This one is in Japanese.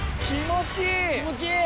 気持ちいい！